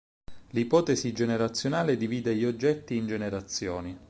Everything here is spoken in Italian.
L'ipotesi generazionale divide gli oggetti in generazioni.